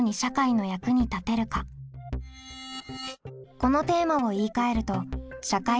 このテーマを言いかえると「社会参加」。